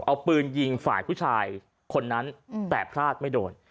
เอาปืนยิงฝ่ายผู้ชายคนนั้นแต่พลาดไม่โดน